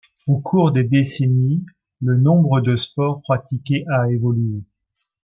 Au cours des décennies, le nombre de sport pratiqués a évolué.